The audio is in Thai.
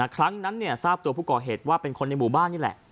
ครั้งนั้นทราบตัวผู้ก่อเหตุว่าเป็นคนในหมู่บ้านนี่แหละ